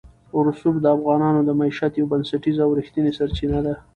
رسوب د افغانانو د معیشت یوه بنسټیزه او رښتینې سرچینه ده.